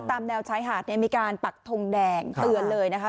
ตามแนวชายหาดเนี่ยมีการปักทงแดงเตือนเลยนะคะ